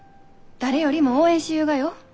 誰よりも応援しゆうがよ。